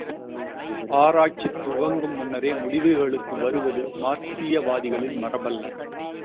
ஆராய்ச்சி துவங்கு முன்னரே, முடிவுகளுக்கு வருவது மார்க்சீயவாதிகளின் மரபல்ல.